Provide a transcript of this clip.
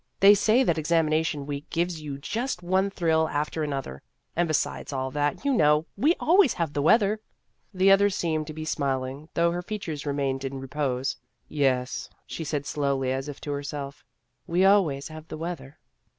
They say that examination week gives you just one thrill after another. And besides all that, you know, we always have the weather." The other seemed to be smiling though her features remained in repose. " Yes," she said slowly as if to herself, " we always have the weather."